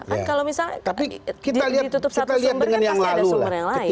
tapi kalau misalnya ditutup satu sumbernya pasti ada sumber yang lain